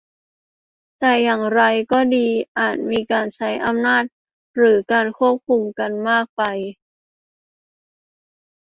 แต่อย่างไรก็ดีอาจมีการใช้อำนาจหรือการควบคุมกันมากไป